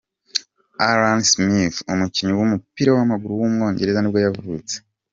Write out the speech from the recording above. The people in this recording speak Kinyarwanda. Alan Smith, umukinnyi w’umupira w’amaguru w’umwongereza nibwo yavutse.